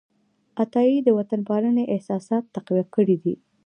عطايي د وطنپالنې احساسات تقویه کړي دي.